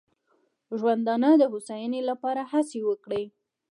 ژوندانه د هوساینې لپاره هڅې وکړي.